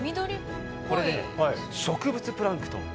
これね植物プランクトン。